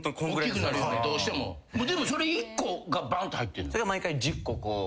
でもそれ１個がバーンと入ってんの？